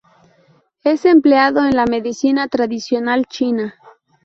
Es empleado en la medicina tradicional china.